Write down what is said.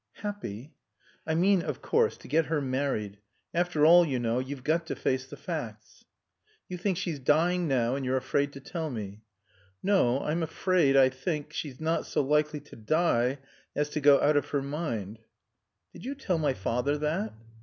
"Happy " "I mean of course to get her married. After all, you know, you've got to face the facts." "You think she's dying now, and you're afraid to tell me." "No I'm afraid I think she's not so likely to die as to go out of her mind." "Did you tell my father that?"